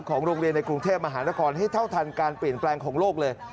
โรงเรียนในกรุงเทพมหานครให้เท่าทันการเปลี่ยนแปลงของโลกเลย